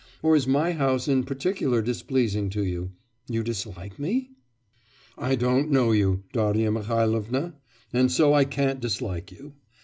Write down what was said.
Or is my house in particular displeasing to you? You dislike me?' 'I don't know you, Darya Mihailovna, and so I can't dislike you.